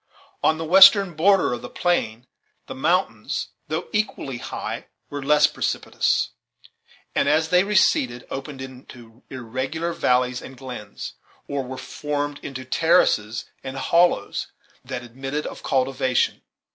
On the western border of the plain, the mountains, though equally high, were less precipitous, and as they receded opened into irregular valleys and glens, or were formed into terraces and hollows that admitted of cultivation.